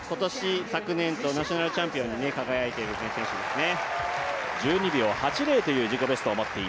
今年、昨年とナショナルチャンピオンに輝いている選手ですね。